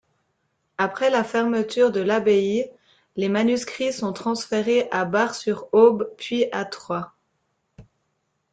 Après la fermeture de l'abbaye, les manuscrits sont transférés à Bar-sur-Aube puis à Troyes.